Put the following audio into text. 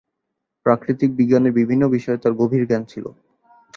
প্রাকৃতিক বিজ্ঞানের বিভিন্ন বিষয়ে তার গভীর জ্ঞান ছিল।